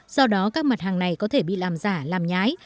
do đó các mặt hàng này có thể bị làm giả làm nhái